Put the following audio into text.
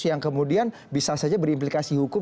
yang kemudian bisa saja berimplikasi hukum